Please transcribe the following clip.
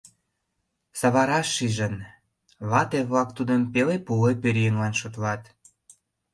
Сава раш шижын: вате-влак тудым пеле-пуле пӧръеҥлан шотлат.